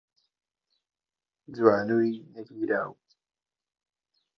جوانووی نەگیراو